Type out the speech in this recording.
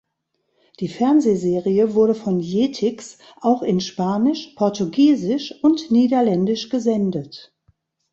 Die Fernsehserie wurde von Jetix auch in Spanisch, Portugiesisch und Niederländisch gesendet.